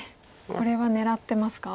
これは狙ってますか？